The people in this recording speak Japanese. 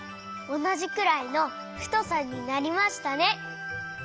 おなじくらいのふとさになりましたね。